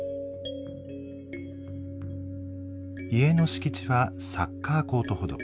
家の敷地はサッカーコートほど。